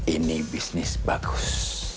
ini bisnis bagus